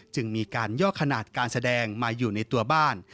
จึงมีการย่อขนาดการแสดงมาอยู่ในตัวบ้าน